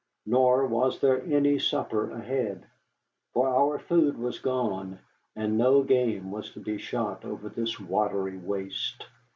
Nor was there any supper ahead. For our food was gone, and no game was to be shot over this watery waste.